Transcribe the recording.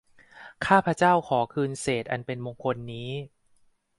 ข้าพเจ้าขอคืนเศษอันเป็นมงคลนี้